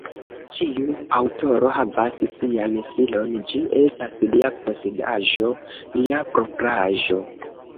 Ĉiu aŭtoro havas sian stilon, ĝi estas lia posedaĵo, lia propraĵo.